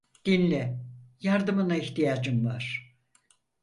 Dinle, yardımına ihtiyacım var.